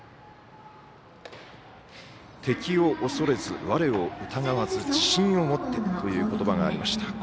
敵を恐れず、我を疑わず自信を持ってという言葉がありました。